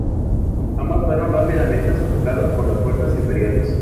Ambas fueron rápidamente sofocadas por las fuerzas imperiales.